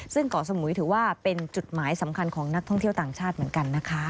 ซึ่งเกาะสมุยถือว่าเป็นจุดหมายสำคัญของนักท่องเที่ยวต่างชาติเหมือนกันนะคะ